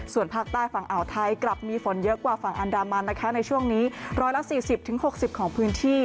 ส่วนภาคใต้ฝั่งอ่าวไทยกลับมีฝนเยอะกว่าฝั่งอันดามันนะคะในช่วงนี้๑๔๐๖๐ของพื้นที่